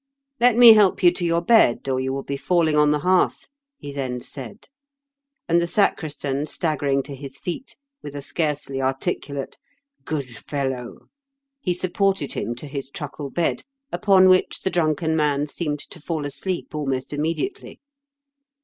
" Let me help you to your bed, or you will be falling on the hearth," he then said ; and the sacristan staggering to his feet, with a scarcely articulate " good fellow !" he supported him to his truckle bed, upon which the drunken man seemed to fall asleep almost immediately.